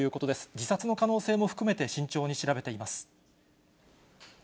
自殺の可能性も含めて慎重に調べています。